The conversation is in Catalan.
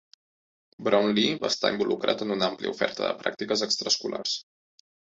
Brownlee va estar involucrat en una àmplia oferta de pràctiques extraescolars.